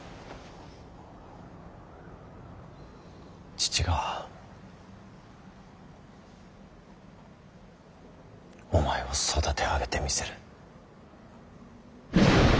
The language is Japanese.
父がお前を育て上げてみせる。